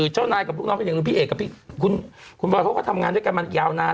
เจ้านายกับลูกน้องเป็นอย่างพี่เอกกับคุณบอยเขาก็ทำงานด้วยกันมายาวนาน